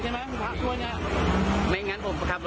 ทำอะไรครับ